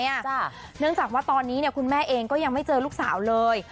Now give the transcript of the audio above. เนื่องจากว่าตอนนี้เนี่ยคุณแม่เองก็ยังไม่เจอลูกสาวเลย